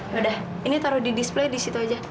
udah ini taruh di display di situ aja